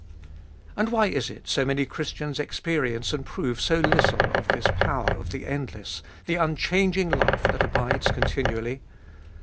And why is it so many Christians experience and prove so little of this power of the endless, the unchanging life that abides continually?